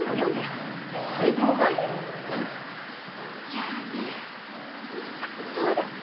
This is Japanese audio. じゃあねあっそうだ。